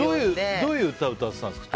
どういう歌、歌ってたんですか。